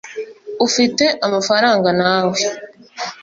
ufite amafaranga nawe